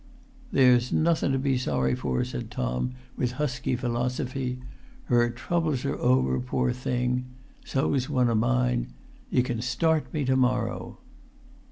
"There's nothun to be sorry for," said Tom, with husky philosophy. "Her troubles are over, poor thing. So's one o' mine! You can start me to morrow."